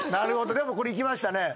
でもこれいきましたね。